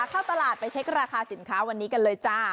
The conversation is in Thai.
เข้าตลาดไปเช็คราคาสินค้าวันนี้กันเลยจ้า